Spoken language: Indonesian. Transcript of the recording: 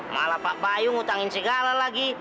malah pak bayu ngutangin segala lagi